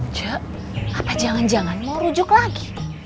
cak apa jangan jangan mau rujuk lagi